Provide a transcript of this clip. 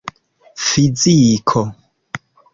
fiziko